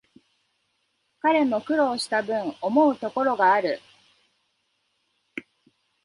彼も苦労したぶん、思うところがある